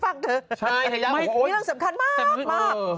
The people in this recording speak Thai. มีอันนี้สำคัญมากมาก